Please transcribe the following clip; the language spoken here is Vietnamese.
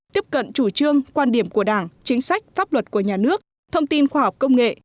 tiếp cận chủ trương quan điểm của đảng chính sách pháp luật của nhà nước thông tin khoa học công nghệ